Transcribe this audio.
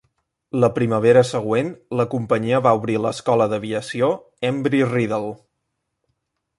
La primavera següent, la companyia va obrir l'Escola d'Aviació Embry-Riddle.